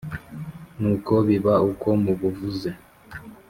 nuko biba uko mubuvuze